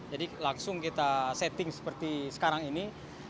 jadi langsung kita setting seperti sekarang ini